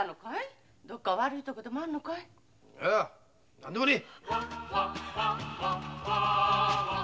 ・何でもねえ！